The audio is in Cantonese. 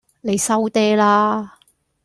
你收嗲啦